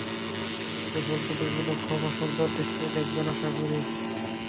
অনুবাদে ভুল ত্রুটিগুলো ক্ষমাসুন্দর দৃষ্টিতে দেখবেন, আশাকরি।